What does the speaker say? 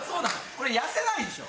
これ痩せないでしょ？